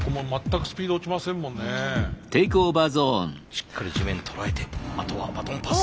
しっかり地面捉えてあとはバトンパス。